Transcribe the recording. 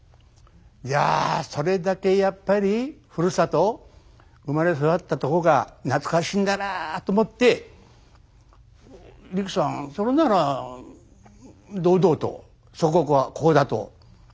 いやそれだけやっぱりふるさと生まれ育ったとこが懐かしいんだなと思ってリキさんそれなら堂々と祖国はこうだと言わないんですかと言うとね